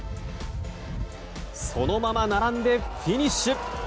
そのまま並んでフィニッシュ。